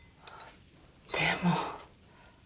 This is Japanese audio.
でも。